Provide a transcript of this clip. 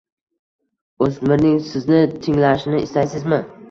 O‘smirning sizni tinglashini istaysizmi?